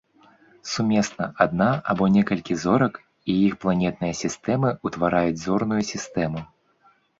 Сумесна адна або некалькі зорак і іх планетныя сістэмы ўтвараюць зорную сістэму.